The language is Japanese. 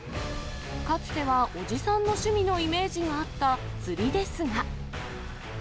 かつてはおじさんの趣味のイメージがあった釣りですが。